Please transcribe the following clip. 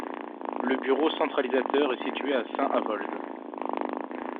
Le bureau centralisateur est situé à Saint-Avold.